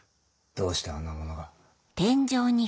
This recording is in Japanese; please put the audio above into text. どうしてあんな物が。